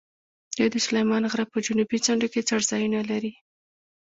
دوی د سلیمان غره په جنوبي څنډو کې څړځایونه لري.